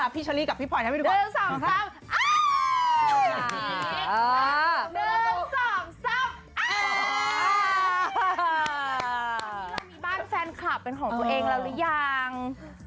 เรามีบ้านแฟนคลับเป็นของตัวเองแล้วหรือยัง